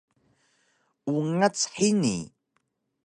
Ungac hini